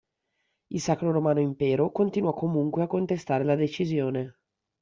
Il Sacro Romano Impero continuò comunque a contestare la decisione.